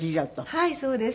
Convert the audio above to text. はいそうです。